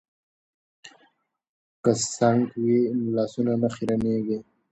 که سنک وي نو لاسونه نه خیرنیږي.